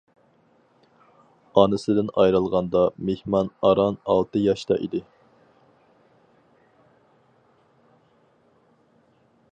ئانىسىدىن ئايرىلغاندا مېھمان ئاران ئالتە ياشتا ئىدى.